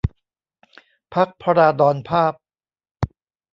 พรรคภราดรภาพ